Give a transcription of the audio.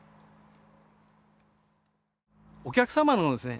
お客様のですね